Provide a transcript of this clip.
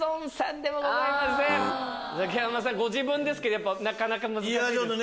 ご自分ですけどなかなか難しいですか？